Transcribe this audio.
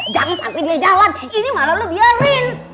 jangan sampai dia jalan ini malah lu biarin